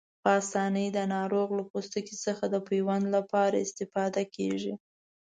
په آسانۍ د ناروغ له پوستکي څخه د پیوند لپاره استفاده کېږي.